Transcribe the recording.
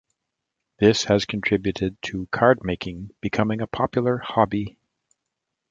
This has contributed to cardmaking becoming a popular hobby.